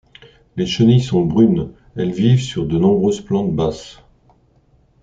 Les chenilles sont brunes, elles vivent sur de nombreuses plantes basses.